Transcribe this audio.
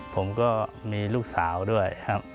ผมก็มีลูกสาวด้วยครับ